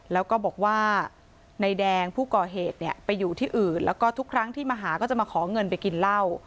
แล้วก็บอกว่านายแดงผู้ก่อเหตุเนี่ยไปอยู่ที่อื่นแล้วก็ทุกครั้งที่มาหาก็จะมาขอเงินไปกินเหล้า